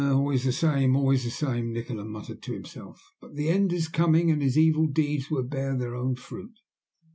"Always the same, always the same," Nikola muttered to himself. "But the end is coming, and his evil deeds will bear their own fruit."